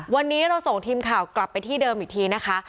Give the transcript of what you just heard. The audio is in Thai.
วันนี้เราส่งทีมข่าวกลับไปที่เดิมอีกทีนะคะ